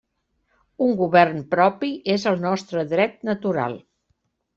Un govern propi és el nostre dret natural.